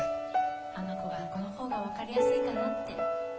あの子がこの方がわかりやすいかなって